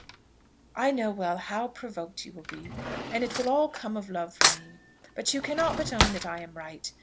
I know well how provoked you will be, and it will all come of love for me; but you cannot but own that I am right.